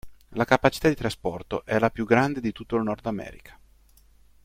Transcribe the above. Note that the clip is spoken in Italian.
La capacità di trasporto è la più grande in tutto il Nordamerica.